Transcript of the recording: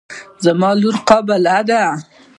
زما لور قابله ده.